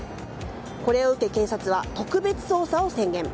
これを受け警察は特別捜査を宣言。